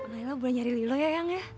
nailah boleh nyari lilo ya yang ya